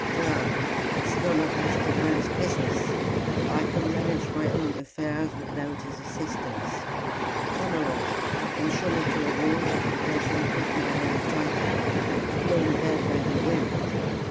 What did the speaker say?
"Hum! It's none of Mr. Grant's business. I can manage my own affairs without his assistance. Come along and show me to a room where I can put my hair tidy; it's blown about by the wind.